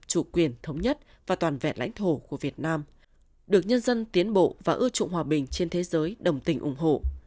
chủ quyền thống nhất và toàn vẹn lãnh thổ của việt nam được nhân dân tiến bộ và ưa trụng hòa bình trên thế giới đồng tình ủng hộ